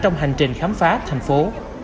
trong hành trình khám phá thành phố